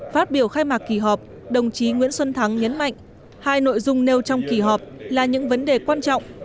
phát biểu khai mạc kỳ họp đồng chí nguyễn xuân thắng nhấn mạnh hai nội dung nêu trong kỳ họp là những vấn đề quan trọng